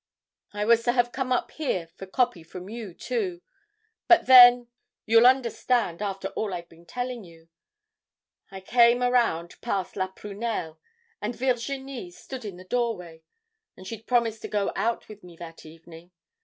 I was to have come up here for copy from you, too. But then you'll understand after all I've been telling you, I came around past 'La Prunelle' and Virginie stood in the doorway, and she'd promised to go out with me that evening.